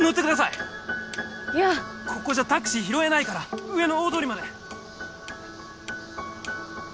いやここじゃタクシー拾えないから上の大通りまで！